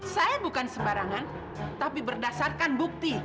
saya bukan sembarangan tapi berdasarkan bukti